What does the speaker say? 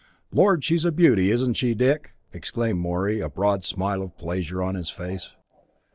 "Lord, she's a beauty, isn't she, Dick!" exclaimed Morey, a broad smile of pleasure on his face.